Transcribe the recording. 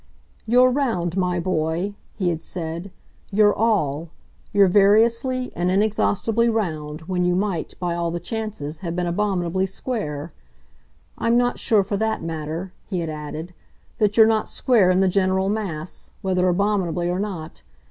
"You're round, my boy," he had said "you're ALL, you're variously and inexhaustibly round, when you might, by all the chances, have been abominably square. I'm not sure, for that matter," he had added, "that you're not square in the general mass whether abominably or not.